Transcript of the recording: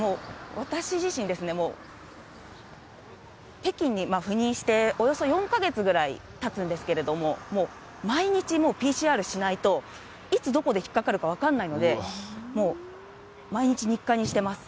私自身ですね、北京に赴任しておよそ４か月ぐらいたつんですけれども、もう毎日もうＰＣＲしないと、いつどこで引っ掛かるか分かんないので、もう毎日日課にしてます。